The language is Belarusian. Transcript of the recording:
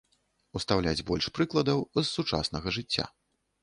Устаўляць больш прыкладаў з сучаснага жыцця.